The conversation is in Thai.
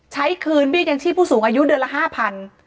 ใช้คืนเบี้ยยังชีพผู้สูงอายุเดือนละ๕๐๐บาท